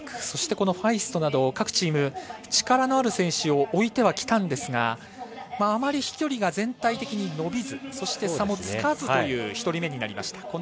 そして、ファイストなど力のある選手をおいてはきたんですがあまり飛距離が全体的に伸びず差がつかずという１人目になりました。